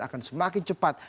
akan semakin cepat